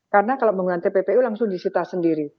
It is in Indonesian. karena kalau menggunakan tpu tpu langsung disita sendiri